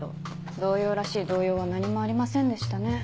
動揺らしい動揺は何もありませんでしたね。